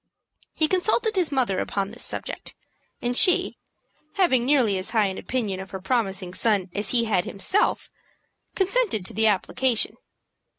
He consulted his mother upon this subject, and she, having nearly as high an opinion of her promising son as he had himself, consented to the application.